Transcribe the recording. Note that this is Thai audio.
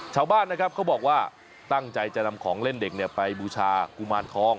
ชาวบ้านนะครับเขาบอกว่าตั้งใจจะนำของเล่นเด็กไปบูชากุมารทอง